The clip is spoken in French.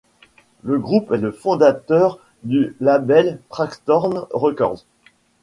Le groupe est le fondateur du label Traxtorm Records.